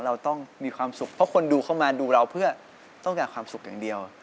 เราต้องมีความสุขเพราะคนดูเข้ามาดูเราเพื่อต้องการความสุขอย่างเดียว